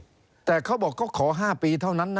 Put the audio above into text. บ๊วยแต่เขาบอกก็ขอ๕ปีเท่านั้นนะ